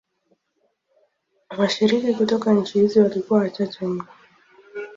Washiriki kutoka nchi hizi walikuwa wachache mno.